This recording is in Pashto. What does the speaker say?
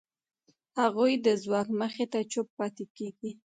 هغوی د ځواک مخې ته چوپ پاتې کېږي.